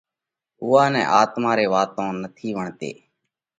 اُوئا نئہ آتما ري واتون نٿِي وڻتي۔